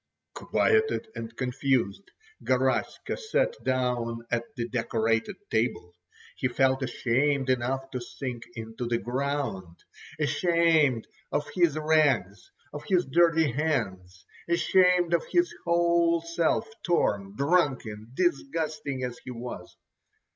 Quieted and confused, Garaska sat down at the decorated table. He felt ashamed enough to sink into the ground. Ashamed of his rags, of his dirty hands, ashamed of his whole self, torn, drunken, disgusting as he was.